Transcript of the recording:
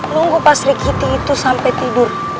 nunggu pastri kitty itu sampe tidur